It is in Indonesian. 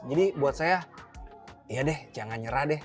jadi buat saya iya deh jangan nyerah deh